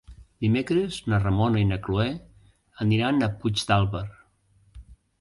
Dimecres na Ramona i na Cloè aniran a Puigdàlber.